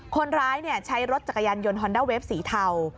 คนร้ายใช้รถจักรยานยนต์ฮอนด้าเวฟสีเทา